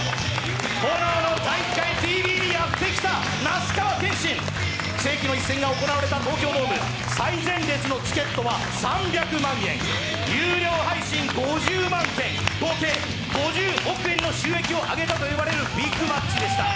「炎の体育会ＴＶ」にやってきた那須川天心、世紀の一戦が行われた東京ドーム、最前列のチケットは３００万円、有料配信５０万円、合計５０億円の収益を上げたといわれるビッグマッチでした。